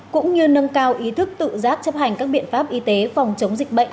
cũng như nâng cao ý thức tự giác chấp hành các biện pháp y tế phòng chống dịch bệnh